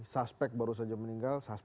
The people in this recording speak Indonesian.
suspek baru saja meninggal